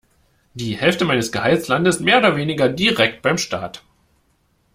Die Hälfte meines Gehalts landet mehr oder weniger direkt beim Staat.